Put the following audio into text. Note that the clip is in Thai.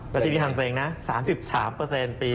ประเทศนี้ทางเซงนะ๓๓ปีนี้